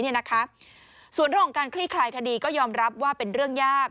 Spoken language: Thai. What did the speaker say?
ส่วนเรื่องของการคลี่คลายคดีก็ยอมรับว่าเป็นเรื่องยาก